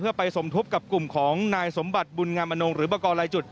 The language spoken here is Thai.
เพื่อไปสมทบกับกลุ่มของนายสมบัติบุญงามอนงหรือประกอบลายจุด